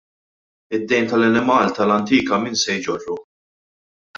Id-dejn tal-Enemalta l-antika min se jġorru?